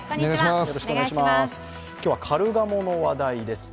今日はカルガモの話題です。